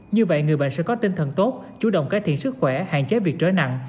như vậy người bệnh sẽ có tinh thần tốt chủ động cải thiện sức khỏe hạn chế việc trở nặng